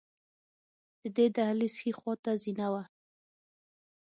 د دې دهلېز ښې خواته زینه وه.